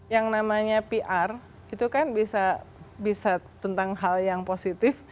yang namanya pr itu kan bisa tentang hal yang positif